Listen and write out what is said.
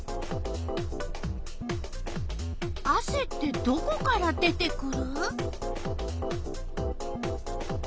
あせってどこから出てくる？